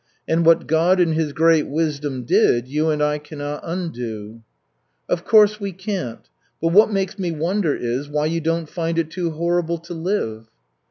And what God, in His great wisdom, did, you and I cannot undo." "Of course, we can't. But what makes me wonder is, why you don't find it too horrible to live."